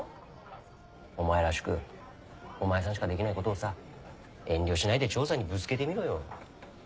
お前らしくお前さんしかできないことをさ遠慮しないで長さんにぶつけてみろよ。